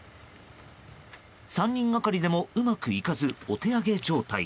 ３人がかりでも、うまくいかずお手上げ状態。